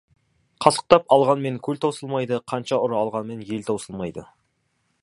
Қасықтап алғанмен, көл таусылмайды, қанша ұры алғанмен, ел таусылмайды.